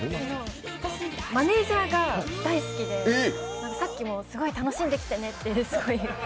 私、マネージャーが大好きでさっきもすごい楽しんできてねって。